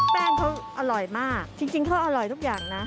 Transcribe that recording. แป้งเขาอร่อยมากจริงเขาอร่อยทุกอย่างนะ